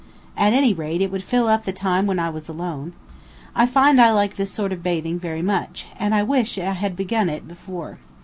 At any rate it would fill up the time when I was alone. I find I like this sort of bathing very much, and I wish I had begun it before.